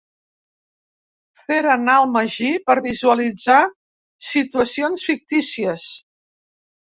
Fer anar el magí per visualitzar situacions fictícies.